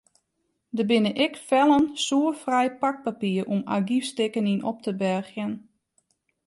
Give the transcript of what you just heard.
Der binne ek fellen soerfrij pakpapier om argyfstikken yn op te bergjen.